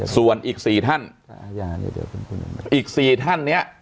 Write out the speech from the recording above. ส่วนอีก๔ท่านอีก๔ท่านเนี่ย